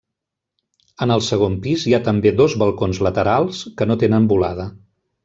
En el segon pis hi ha també dos balcons laterals, que no tenen volada.